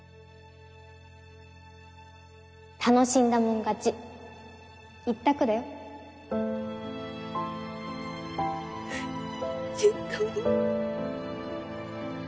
楽しんだもん勝ち一択だよちっとも。